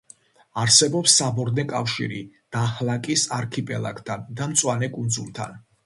არსებობს საბორნე კავშირი დაჰლაკის არქიპელაგთან და მწვანე კუნძულთან.